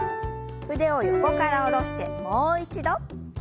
腕を横から下ろしてもう一度。